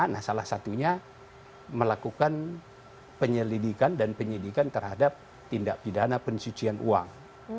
nah salah satunya melakukan penyelidikan dan penyidikan terhadap tindak pidana pencucian uang